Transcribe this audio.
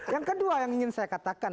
yang kedua yang ingin saya katakan